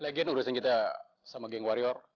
legend urusan kita sama geng warior